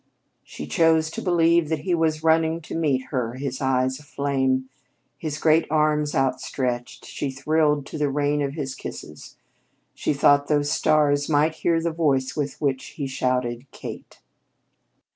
She chose to believe that he was running to meet her, his eyes aflame, his great arms outstretched; she thrilled to the rain of his kisses; she thought those stars might hear the voice with which he shouted, "Kate!"